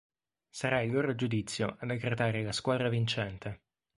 Sarà il loro giudizio a decretare la squadra vincente.